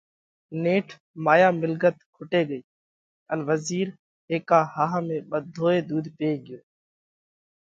نيٺ مايا مِلڳت کٽي ڳئِي ان وزِير هيڪا ۿاۿ ۾ ٻڌوئي ۮُوڌ پي ڳيو۔